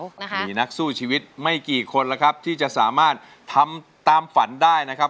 มีนักสู้ชีวิตไม่กี่คนแล้วครับที่จะสามารถทำตามฝันได้นะครับ